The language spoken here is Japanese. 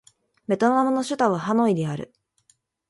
ベトナムの首都はハノイである